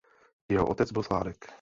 Jeho otec byl sládek.